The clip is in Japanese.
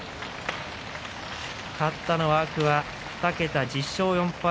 勝ったのは天空海２桁１０勝４敗。